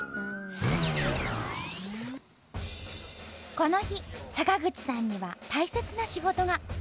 この日坂口さんには大切な仕事が。